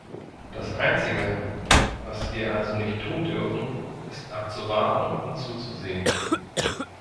Das Einzige, was wir also nicht tun dürfen, ist abzuwarten und zuzusehen.